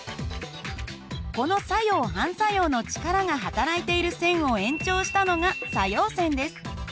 この作用・反作用の力がはたらいている線を延長したのが作用線です。